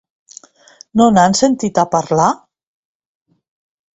No n'han sentit a parlar?